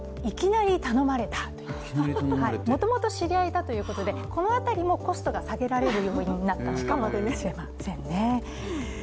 もともと知り合いだということでこの辺りもコストが下げられる要因になったのかもしれませんね。